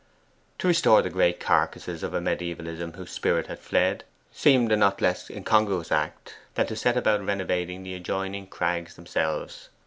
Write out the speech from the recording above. To restore the grey carcases of a mediaevalism whose spirit had fled, seemed a not less incongruous act than to set about renovating the adjoining crags themselves.